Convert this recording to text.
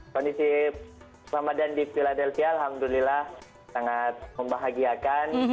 kondisi ramadan di philadelphia alhamdulillah sangat membahagiakan